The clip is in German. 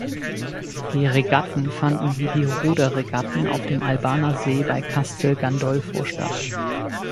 Die Regatten fanden wie die Ruderregatten auf dem Albaner See bei Castel Gandolfo statt.